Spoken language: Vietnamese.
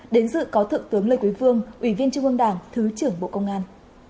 đến dự có thượng tướng lê quý vương ủy viên trung ương đảng thứ trưởng bộ công an